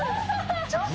ちょっと！